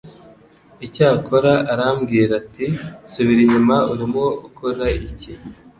Icyakora arambwira ati Subira inyuma urimo ukora iki